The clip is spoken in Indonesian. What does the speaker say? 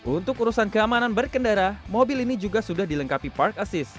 untuk urusan keamanan berkendara mobil ini juga sudah dilengkapi park assis